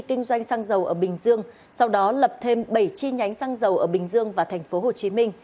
kinh doanh xăng dầu ở bình dương sau đó lập thêm bảy chi nhánh xăng dầu ở bình dương và tp hcm